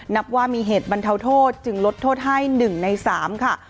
นับว่ามีเหตุบรรเทาโทษจึงลดโทษให้๑ใน๓ค่ะ